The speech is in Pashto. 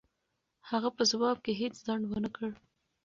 هغه په ځواب کې هېڅ ځنډ و نه کړ.